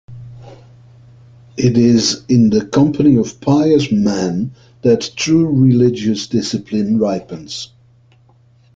It is in the company of pious men that true religious discipline ripens.